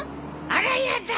あらやだ。